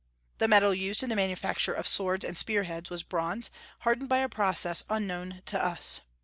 The metal used in the manufacture of swords and spear heads was bronze, hardened by a process unknown to us.